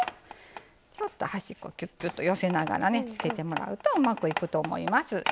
ちょっと端っこきゅっきゅと寄せながらつけてもらうとうまくいくと思います。